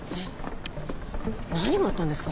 何があったんですか？